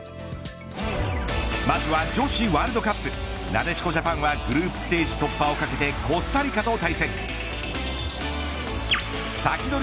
まずは女子ワールドカップなでしこジャパンはグループステージ突破をかけてコスタリカと対戦。サキドリ！